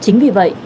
chính vì vậy